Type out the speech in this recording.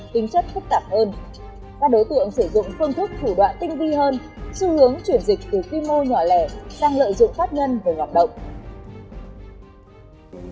tính chất phức tạp hơn các đối tượng sử dụng phương thức thủ đoạn tinh vi hơn xu hướng chuyển dịch từ quy mô nhỏ lẻ sang lợi dụng pháp nhân về hoạt động